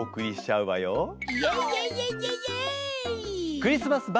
クリスマス婆